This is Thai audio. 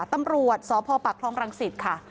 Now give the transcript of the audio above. ตำรวจสภปรักษ์คลองกรังศิษฐ์ค่ะ